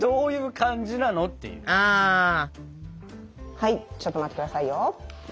はいちょっと待ってくださいよ。